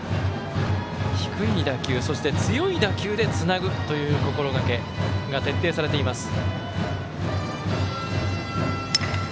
低い打球強い打球でつなぐという心がけ徹底されています。